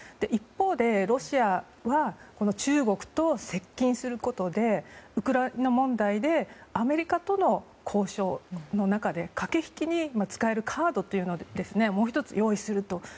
一方でロシアは中国と接近することでウクライナ問題でアメリカとの交渉の中で駆け引きに使えるカードをもう１つ用意すると。